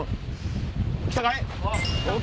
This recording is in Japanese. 来たかい？